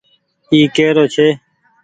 اي ڪيرو ڇي۔